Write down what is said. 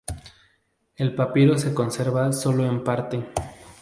El papiro se conserva sólo en parte.